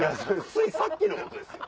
ついさっきのことですよ。